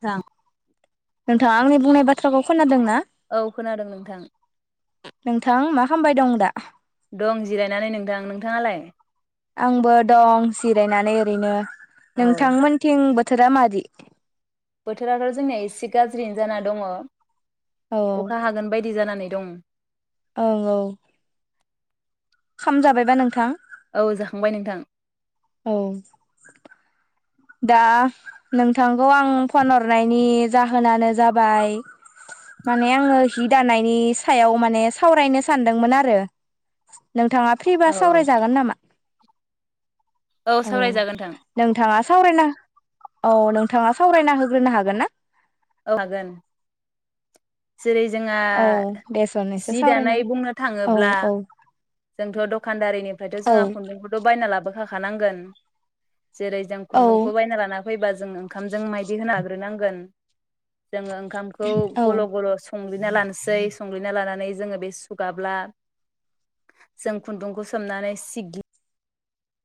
जां नोंथाङा आंनि बुंनाय बाथ्राखौ खोनादों ना? औ खोनादों नोंथां नोंथां मा खामबाय दं दा? दं जिरायनानै नोंथां नोंथाङालाय? आंबो दं जिरायनानै ओरैनो औ नोंथांमोनथिं बो थोरा मादि? बोथोराथ जोंनिया एसे गाज्रियैनो जाना दङ औ अखा हागोन बायदि जानानै दं औ औ खामजाबायबा नोंथां? औ जाखांबाय नोंथां। औ दा नोंथांखौ आं फन हरनायनि जाहोनानो जाबाय माने आङो हि दानायनि सायाव माने सावरायनो सानदोंमोन आरो नोंथाङा फ्रिबा औ औ सावरायजागोन नामा? औ सावरायजागोन नोंथां नोंथाङा सावरायना औ नोंथाङा सावरायना होग्रोनो हागोन ना? औ हागोन। जेरै जोंहा औ दे सन एसे जि सावरायना दानाय बुंनो औ थाङोब्ला औ जोंथ दखानदारिनि फ्रायथ औ जोङा खुन्दुंखौथ बायना लाब बोखाखानांगोन जेरै जों औ खुन्दुंखौ बायना लाना फैबा जों ओंखामजों मायदि होना हाग्रोनांगोन। जोङो ओंखामखौ औ गल गल सं संग्लिना लानोसै संग्लिना लानानै जोङो बे सुगाब्ला जों खुन्दुंखौ सोमनानै सिग्लि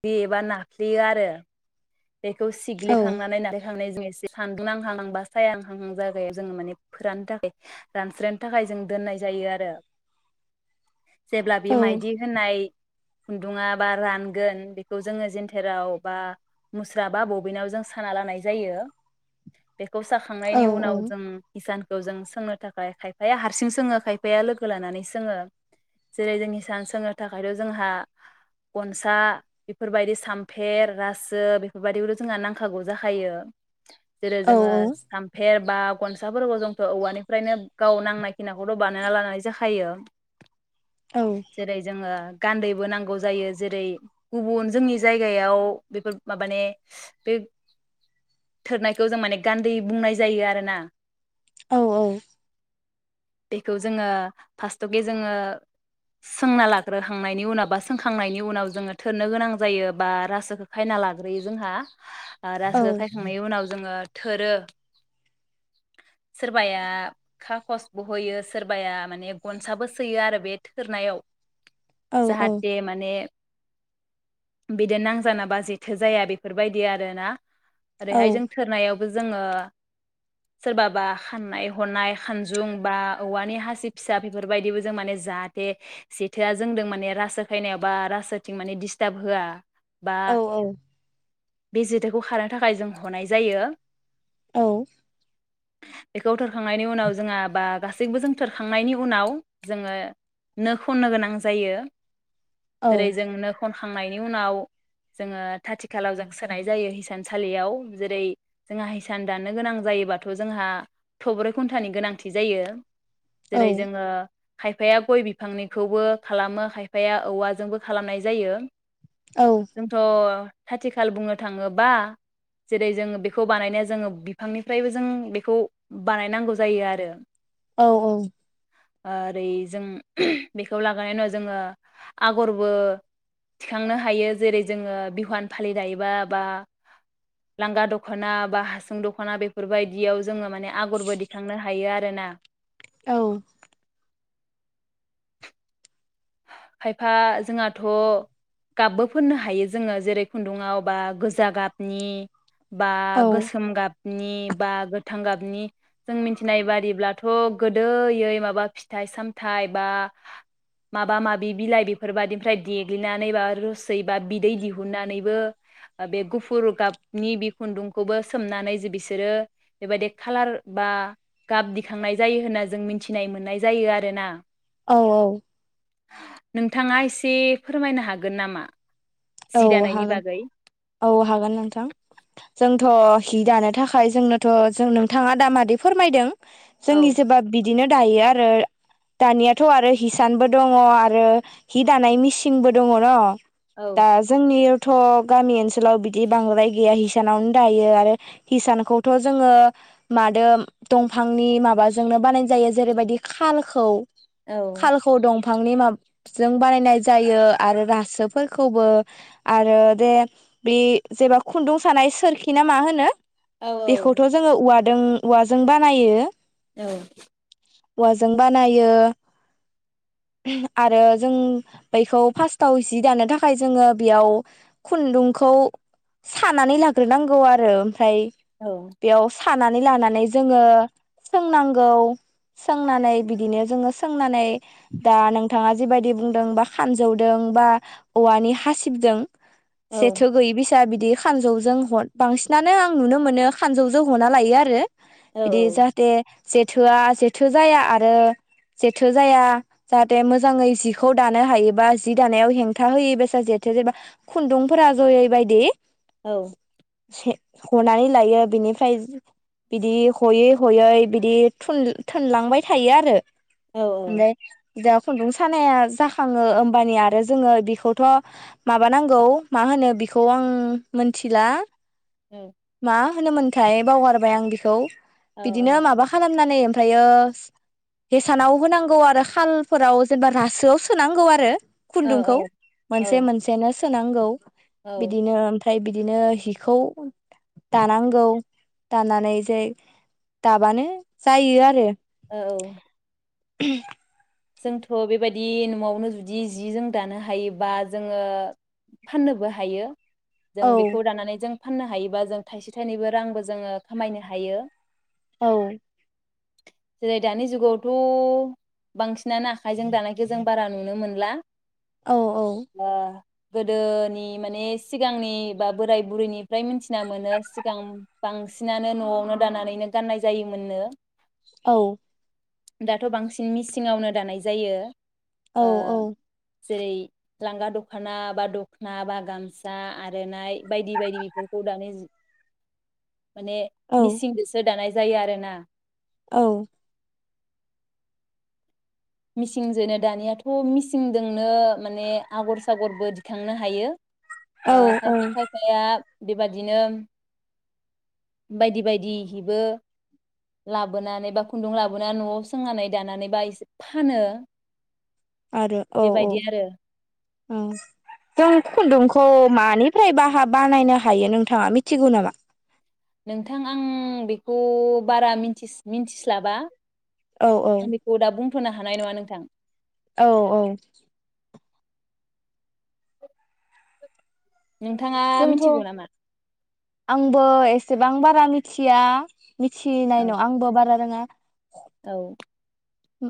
यो एबा नाफ्लेयो आरो बेखौ औ सिग्लिखांनानै नारखांनाय जों एसे सानदुं नांहांहां बा सायाहांहां जायगायाव जोङो माने फोराननो थाखाय रानस्रायनो थाखाय जों दोननाय जायो आरो जेब्ला बे औ माइदि होनाय खुन्दुङा बा रानगोन बेखौ जोङो जेनथोराव बा मुस्रा बा बबिनाव जों साना लानाय जायो। बेखौ औ साखांनायनि उनाव जों हिसान, खौ जों सोंनो थाखाय खायफाया हारसिं सोङो खायफाया लोगो लानानै सोङो। जेरै जोंनि हिसान सोंनो थाखायरो जोंहा गनसा बेफोरबायदि सामफेर रा सो बेफोरबायदिखौथ' जोंहा नांखागौ जाखायो। जेरै औ जोङो सामफेर बा गनसाफोरखौ जोंथ' औवानिफ्रायनो गाव नांनाय खिनिखौथ' बानायना लानानै जाखायो। औ जेरै जोङो गान्दैबो नांगौ जायो जेरै गुबुन जोंनि जायगायाव बेफोर माबानि बे थोरनायखौ जों माने गान्दै बुंनाय जायो आरोना। औ औ। बेखौ जोङो फार्स्टथके जोङो सोंना लाग्रोखांनायनि उनाव बा सोंखांनायनि उनाव जोङो थोरनो गोनां जायो बा रासोखौ खायना ला ग्रोयो जोंहा। रासो औ खायखांनायनि उनाव, जोङो थोरो, सोरबाया खाखस बो होयो सोरबाया माने गनसाबो सोयो आरो बे थोरनायाव। औ जाहाथे माने, [inaudible] बिदि नांजाना बा जि थोजाया बेफोरबायदि आरोना। ओरैहाय जों थोरनायाव जोङो सोरबाबा खाननाय हनाय खानजुं बा औवानि हासिब फिसा बेफोरबायदिबो जों माने जाहाथे जेथोआ जोंदों माने रासो खायनायाव बा रासोथिं माने डिस्टार्ब होया औ औ। बे जेथोखौ खारहोनो थाखाय जों हनाय जायो। औ। बेखौ थोरखांनायनि उनाव जोंहा बा गासैबो जों थोरखांनायनि उनाव जोङो नो खननो गोनां जायो। औ जेरै जों नो खन खांनायनि उनाव, जोङो खाथि खालाव जों सोनाय जायो हिसानसालियाव जेरै जोंहा हिसान दाननो गोनां जायोबाथ' जोंहा थब्रै खुन्टानि गोनांथि जायो। जेरै जोङो खायफाया गय बिफांनिखौबो खालामो खायफाया औवाजोंबो खालामनाय जायो। औ। जोंथ' खाथिखाल बुंनो थाङोबा जेरै जों बिखौ बानायनो जोङो बिफांनिफ्रायबो जों बेखौ बानाय नांगौ जायो आरो, औ औ ओरै जों बेखौ लागोननि उनाव जोङो आगरबो थिखांनो हायो, जेरै जोङो बिहुफान फालि दायोबा बा लांगा द'खना बा हासुं द'खना बेफोरबायायदियाव, जोङो माने आगरबो दिखांनो हायो आरो सोना औ खायफा जोंहाथ'गाबबो फोननो हायो जोङो जेरै खुन्दुङाव बा गोजा गाबनि बा गोसोम गाब, नि बा गोथां गाबनि जों मिथिनाय बादिब्लाथ' गोदोयै माबा फिथाइ सामथाइ बा, माबा माबि बिलाइ बेफोरबादिनिफ्राय देग्लिनानै बा रोसै बा बिदै दिहुनन्नानैबो बे गुफुर गाबनि बि खुन्दुंखौबो सोमनानै जे बिसोरो बेबायदि खालार बा गाब दिखांनाय जायो, होनना जों मिथिनाय मोननाय जायो आरोना, औ औ। नोंथाङा एसे फोरमायनो हागोन नामा। औ जि दानायनि हागोन बागै औ हागोन नोंथां जों। थ हि दानो थाखाय जोंनोथ जों नोंथाङा दा मादि फोरमायदों। जोंनि औ जेबा बि बिदिनो दायो आरो दानियाथ आरो हिसानबो दङ आरो हि दानाय मिसिंबो दङ न' दा औ जोंनि थ गामि ओनसोलाव बिदि बांद्राय गैया हिसानावनो दायो आरो हिसानखौथ जोङो मादो दंफांनि माबाजोंनो बानाय जायो जेरैबायदि खाालखौ औ खालखौ दं बिफांनि माबाजों बानायनाय जायो आरो रासो खौबो आरो दे बे जेबा खुन्दुं सानाय सोरखि ना मा होनो औ बेखौथ जोङो औवा औवाजों बानायो औ। औवाजों बानायो आरो जों बैखौ फास्स्टाव जि दानो थाखाय थाखाय जोङो बेयाव खुन्दुंखौ सानानै लाग्रोनांगौ आरो फ्राय औ बेयाव सानानै लानानै जोङो सोंनांगौ सोंनानै बिदिनो जोङो सोंनानै दा नोंथाङा जिबायदि बुंदों बा खानजौदों बा औवानि हासिबजों औ जेथो गैयि फिया बिदि खानजौजों ह बांसिनानो आं नुनो मोनो खानजौजों हना लायो आरो औ बिदि जाहाथे जेथोआ जेथो जाया आरो जेथो जाया जाहाथे मोजाङै जिखौ दानो हायोबा जि दानायाव हें खोथा होयो बेसाद जेथो जेनबा खुन्दुंफोरा जयै बायदि औ। हनानै लायो बिनिफ्राय बिदि हयै हयै बिदि थ थोनलांबाय थायो आरो औ औ। बा खुन्दुं सानाया जाखाङो होमबानि आरो जोङो बेखौथ माबा नांगौ मा होनो बेखौ आं मोनथिला मा। होनोमोनथाय बावगारबाय आं बिखौ बिदिनो माबा खालामनानै ओमफ्रायो हेसानाव होनांगौ आरो खालफोराव जेनेबा रासोआव सोनांगौ आरो। खुनदुंखौ मोनसे औ मोनसेनो सोनांगौ। औ बिदिनो ओमफ्राय बिदिनो हिखौ दानांगौ दानानै जे दाबानो जायो आरो औ [unintelligible] जोंथ' बेबायदि न'आवनो जुदि जि जों दानो हायोबा जोङो फाननोबो हायो। जों औ बेखौ दानानै जों फाननो हायोबा जों थाइसे थाइनैबो रांबो जोङो खामायनो हायो। औ जेरै दानि जुगावथ' बांसिनानो आखाइजों दानायखौ जों बारा नुनो मोनला औ औ ओ गोदोनि माने सिगांनि बा बोराय बुरैनिफ्राय मोथिना मोनो सिगां बांसिनानो न'आवनो दानानैनो गाननाय जायोमोननो। औ दाथ' बांसिन मिसिं ङावनो दानाय जायो। औ ओ औ जेरै लांगा दखना बा दखना बा गामसा आर'नाइ बायदि बायदि बेफोरखौ दानि जु माने औ मिसिंजोंसो दानाय जायो आरोना औ मिसिंजोनो दानियाथ' मिसिंदोंनो माने आगर सागरबो दिखांनो हायो। औ ओ औ खायफा खायफाया बेबादिनो बायदि बायदि हिबो लाबोनानै बा खुन्दुं लाबोनानै न'आव सोंनानै दानानै बा एसे फानो आरो औ औ बेबायदि आरो ओम जों खुन्दुंखो मानिफ्राय बाहा बानायनो हायो नोंथाङा मिथिगौ नामा? नोंथां आं बेखौ बारा मिनथि मिनथिस्लाबा औ औ आं बेखौ दाबुं थ'नो हानाय नङा नोंथां। औ औ नोंथाङा जोंथ' मिथिगौ नामा आंबो एसे बां बारा मिथिया औ मिथिनायन आंबो बारा रोङा। औ होम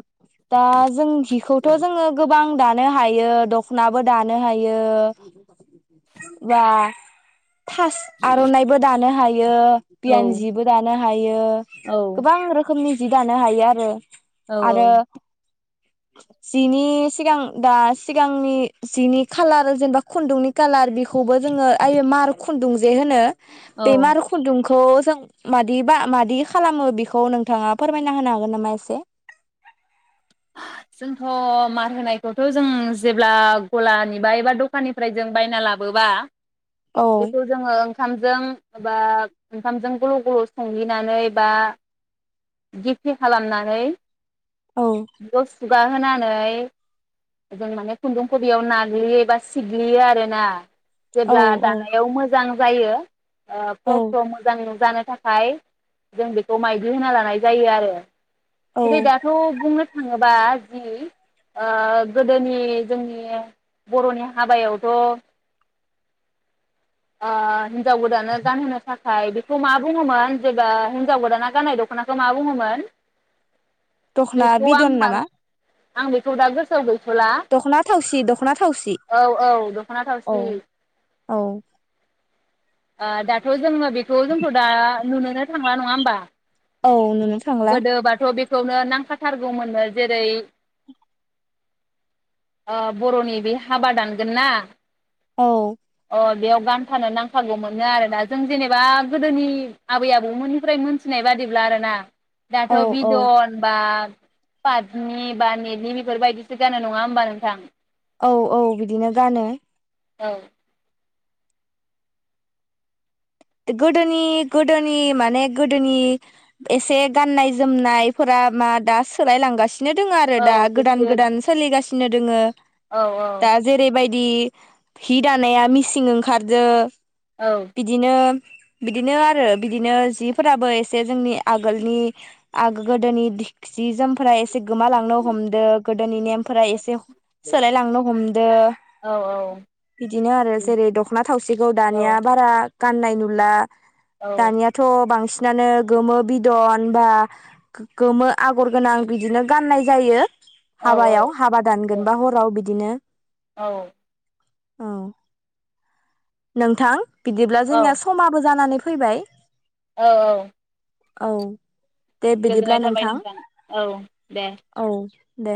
दा जों हिखौथ' जोङो गोबां दानो दानो हायो दख'नाबो दानो हायो बा फास आर'नाइबो दानो हायो। बियो औ बियानजिबो दानो हायो औ गोबां रोखोमनि जि दानो हायो आरो औ औ आरो जिनि सिगां दा सिगांनि जिनि खालार जेनेबा खुन्दुंनि कालार बेखौबो जोङो आय मार खुन्दुं जे होनो औ बेमार खुनदुंखो खुनदुंखौ जों मादि बा मादि खालामो बेखौ नोंथाङा फोरमायना होनो हागोन नामा एसे जोंथ मार होनायखौथ जों जेब्ला गलानि बा एबा दखाननिफ्राय जों बायना लाबोबा औ बेखौ जोङो ओंखामजों बा ओंखामजों गल गल संल्गिनानै बा गेफे खालामनानै औ दसे गुगा होनानै जों माने खुन्दुं खबियाव नाग्लियो एबा सिग्लियो आरो ना औ जेब्ला औ दानायाव मोजां जायो ओ फ्राव औ फ्राव मोजाङैनो जानाय थाखाय जों बेखौ माइदि होना लानाय जायो आरो औ जेरै दाथ बुंनो थाङोबा जि ओ गोदोनि जोंनि बरनि हाबायावथ ओ हिन्जाव गोदानानो गानहोनो थाखाय बेखौ मा बुङोमोन जेबा हिनजाव गोदाना गाननाय दखनाखौ मा बुङोमोन दखना बेखौ आं बिदन मान नामा आं बेखौ दा गोसोआव गै दखना थावसि दखना थावसि औ औ दख'ना औ औ ओह दाथ जोंङो बेखौ जोंथ दा नुनो [unintelligible] थांला नङा होमबा औ नुनो थांला खौनो नांखाथारगौमोननो जेरै ओ बरनि बे हाबा दानगोन ना औ अ [unintelligible] बान्थानो नांखागौ मोनो आरोना जों जेनेबा गोदोनि आबै आबौमोननिफ्राय मोनथिनाय बादिब्ला आरो ना औ दाथ औ बिदन बा पाटनि बा नेटलि बेफोरबायदिसो गानो नङा होमबा नोंथां औ औ बिदिनो गानो औ गोदोनि गोदोनि माने गोदोनि एसे गाननाय जोमनायफोरा मा दा सोलायलांगासिनो बिनो दङ आरो दा औ गोदान एसे गोदान सोलिगासिनो फिनो दोङो औ औ दा जेरै बायदि बिदि हि दानाया मिसिं ओंखारदो औ बिदिनो बिदिनो आरो बिदिनो जिफोराबो एसे जोंनि आगोलनि आ गोदोनि जि जोमफोरा एसे एसे गोमालांनो हमदो गोदोनि नेमफोरा एसे सोलाय लांनो हमदो औ इदिनो आरो जेरै द'खना थावसिखौ दानिया औ बारा गाननाय नु ला औ दानियाथ' बांसिन सिनानो गोमो बिदन बा गोमो आगर गोनां बिदिनो गाननाय जायो हाबायाव हाबा दानगोन बा हराव बिदि बिदिनो औ औ नोंथां बिदिब्ला जोंनिया समाबो जानानै फै फैबाय औ औ औ दे बिदिब्ला गोजोननाय थाबाय नोंथां औ दे। औ दे